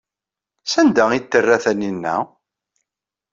Sanda ay t-terra Taninna?